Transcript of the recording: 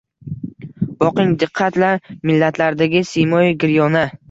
Boqing, diqqat-la millatlardagi siymoi giryona